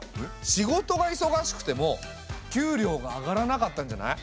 仕事がいそがしくても給料が上がらなかったんじゃない？